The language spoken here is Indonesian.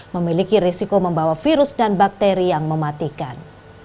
memiliki risiko membawa virus dan bakteri yang mematikan